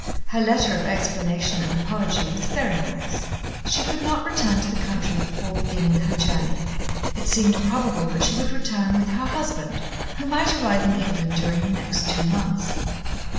Her letter of explanation and apology was very nice. She could not return to the country before beginning her journey. It seemed probable that she would return with her husband, who might arrive in England during the next two months.